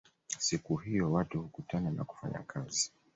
Siku hiyo watu hukutana na kufanya kazi